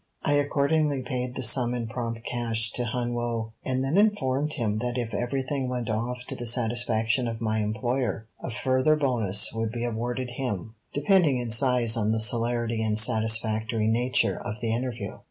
I accordingly paid the sum in prompt cash to Hun Woe, and then informed him that if everything went off to the satisfaction of my employer a further bonus would be awarded him, depending in size on the celerity and satisfactory nature of the interview.